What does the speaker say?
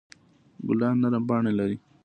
ګلان نرم پاڼې لري.